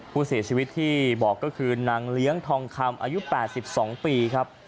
ผู้เสียชีวิตที่บอกก็คือนางเลี้ยงทองคำอายุ๘๒ปีครับ